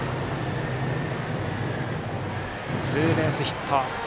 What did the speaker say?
ツーベースヒット。